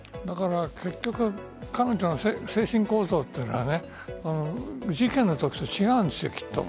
結局彼女の精神構造というのは事件のときと違うんですよきっと。